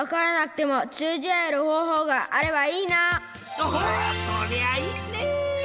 おおそりゃあいいね！